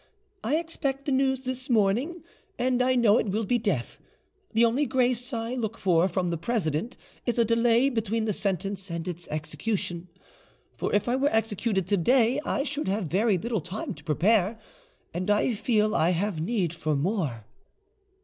I expect the news this morning, and I know it will be death: the only grace I look for from the president is a delay between the sentence and its execution; for if I were executed to day I should have very little time to prepare, and I feel I have need for more."